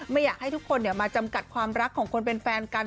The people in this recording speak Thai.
ไม่อยากให้ทุกคนมาจำกัดความรักของคนเป็นแฟนกัน